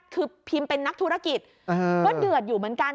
คือพิมเป็นนักธุรกิจก็เดือดอยู่เหมือนกัน